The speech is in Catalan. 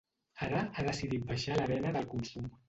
Ara ha decidit baixar a l'arena del consum.